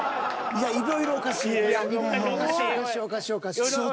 いろいろおかしい。